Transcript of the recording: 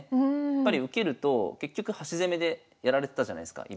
やっぱり受けると結局端攻めでやられてたじゃないすか